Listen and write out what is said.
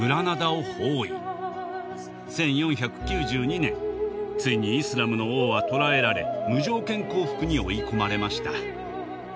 １４９２年ついにイスラムの王は捕らえられ無条件降伏に追い込まれました。